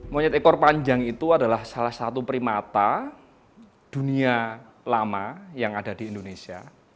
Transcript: monyet ekor panjang itu adalah salah satu primata dunia lama yang ada di indonesia